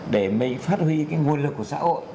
để mới phát huy nguồn lực của xã hội